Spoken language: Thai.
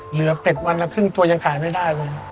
เหลือเป็ดวันละครึ่งตัวยังขายไม่ได้เลย